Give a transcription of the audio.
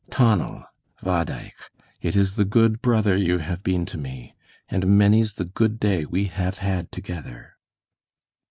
Tonal, bhodaich, it is the good brother you have been to me, and many's the good day we have had together."